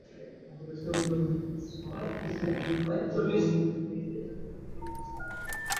উহাদের স্বরূপ ও ব্যবহারের কৌশল শিখাইয়া কর্মযোগ আমাদিগকে ভালভাবে কর্ম করিতে সাহায্য করে।